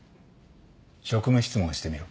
職務質問してみろ。